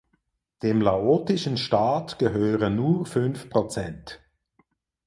Dem laotischen Staat gehören nur fünf Prozent.